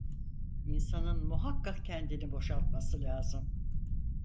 İnsanın muhakkak kendini boşaltması lazım…